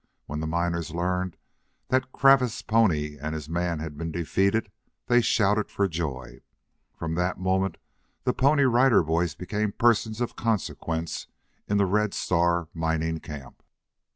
When the miners learned that Cravath's pony and his man had been defeated, they shouted for joy. From that moment the Pony Rider Boys became persons of consequence in the Red Star mining camp.